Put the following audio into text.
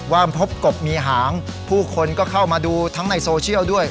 ว่าพบกบมีหางผู้คนก็เข้ามาดูทั้งในโซเชียลด้วย